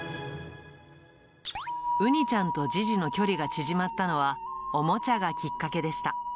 うにちゃんとジジの距離が縮まったのは、おもちゃがきっかけでした。